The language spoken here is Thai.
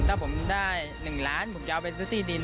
ถ้าผมได้๑ล้านผมจะเอาไปซื้อที่ดิน